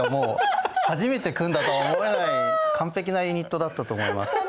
初めて組んだとは思えない完璧なユニットだったと思います。